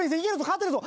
勝ってるぞ。